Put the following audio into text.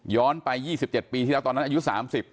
ย้อนไปยี่สิบเจ็ดปีที่แล้วตอนนั้นอายุสามสิบ